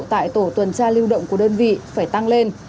tại tổ tuần tra lưu động của đơn vị phải tăng lên